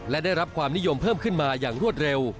และได้รับความนิยมเพิ่มขึ้นมาอย่างรวดเร็ว